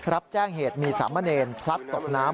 รับแจ้งเหตุมีสามเณรพลัดตกน้ำ